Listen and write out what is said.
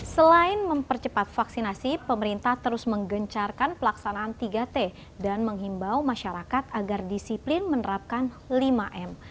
selain mempercepat vaksinasi pemerintah terus menggencarkan pelaksanaan tiga t dan menghimbau masyarakat agar disiplin menerapkan lima m